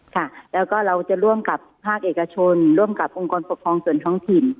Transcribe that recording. ค่ะแล้วก็เราจะร่วมกับภาคเอกชนร่วมกับองค์กรปกครองส่วนท้องถิ่น